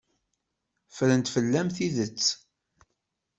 Ffren fell-am tidet.